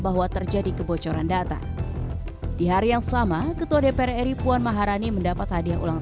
bahwa terjadi kebocoran data di hari yang sama ketua dpr ri puan maharani mendapat hadiah ulang